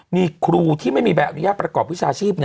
มีครูที่ไม่มีใบอนุญาตประกอบวิชาชีพ